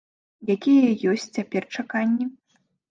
Якія ёсць цяпер чаканні?